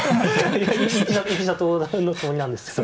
いや居飛車党のつもりなんですけど。